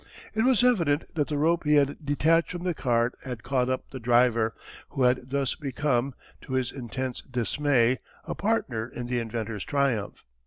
It was evident that the rope he had detached from the cart had caught up the driver, who had thus become, to his intense dismay, a partner in the inventor's triumph.